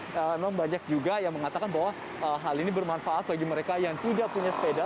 namun banyak juga yang mengatakan bahwa hal ini bermanfaat bagi mereka yang tidak punya sepeda